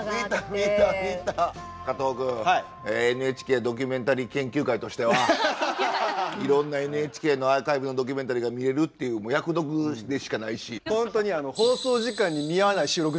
加藤君ＮＨＫドキュメンタリー研究会としてはいろんなＮＨＫのアーカイブのドキュメンタリーが見れるっていう役得でしかないし。